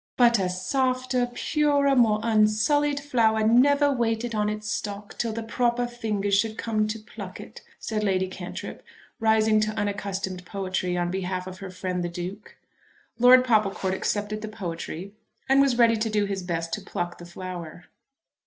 "But a softer, purer, more unsullied flower never waited on its stalk till the proper fingers should come to pluck it," said Lady Cantrip, rising to unaccustomed poetry on behalf of her friend the Duke. Lord Popplecourt accepted the poetry and was ready to do his best to pluck the flower.